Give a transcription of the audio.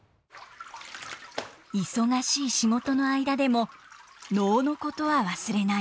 忙しい仕事の間でも能のことは忘れない。